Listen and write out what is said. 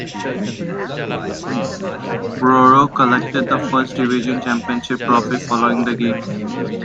Boro collected the First Division Championship Trophy following the game.